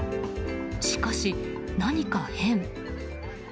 しかし、何か変。